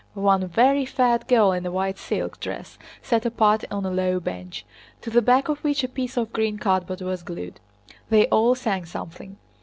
One very fat girl in a white silk dress sat apart on a low bench, to the back of which a piece of green cardboard was glued. They all sang something.